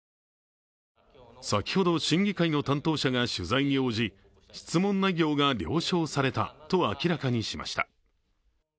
先ほど審議会の担当者が取材に応じ質問内容が了承されたと明らかにしました。